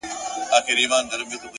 پرمختګ د عادتونو له بدلون پیلېږي!